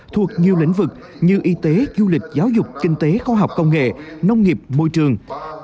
thuộc nhiều lĩnh vực như y tế du lịch giáo dục kinh tế khoa học công nghệ nông nghiệp môi trường